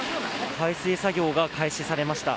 排水作業が開始されました。